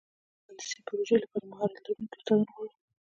امن مهندسي پروژې لپاره مهارت لرونکي استادان غواړو.